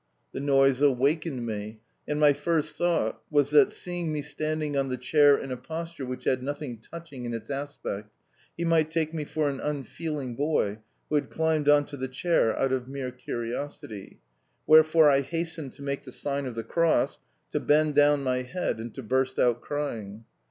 The noise awakened me, and my first thought was that, seeing me standing on the chair in a posture which had nothing touching in its aspect, he might take me for an unfeeling boy who had climbed on to the chair out of mere curiosity: wherefore I hastened to make the sign of the cross, to bend down my head, and to burst out crying.